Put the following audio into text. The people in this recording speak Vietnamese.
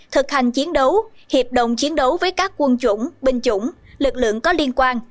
thực hành chiến đấu hiệp đồng chiến đấu với các quân chủng binh chủng lực lượng có liên quan